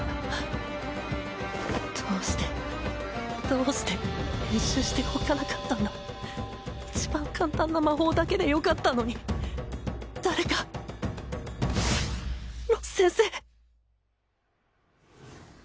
どうしてどうして練習しておかなかったんだ一番簡単な魔法だけでよかったのに誰かロス先生